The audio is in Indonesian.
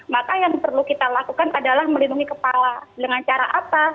maka yang perlu kita lakukan adalah melindungi kepala dengan cara apa